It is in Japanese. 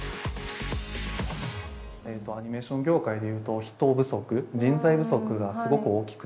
アニメーション業界でいうと人不足人材不足がすごく大きくて。